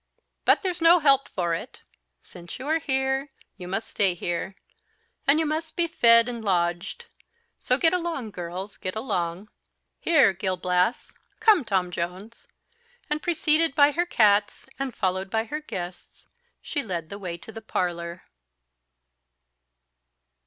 But there's no help for it. Since you are here you must stay here, and you must be fed and lodged; so get along, girls, get along. Here, Gil Blas come, Tom Jones." And, preceded by her cats, and followed by her guests, she led the way to the parlour.